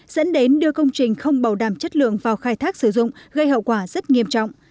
dẫn đến đưa công trình không bảo đảm chất lượng vào khai thác sử dụng gây hậu quả rất nghiêm trọng